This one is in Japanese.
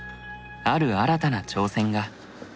ある新たな挑戦が。